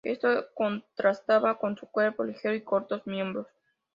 Esto contrastaba con su cuerpo ligero y cortos miembros.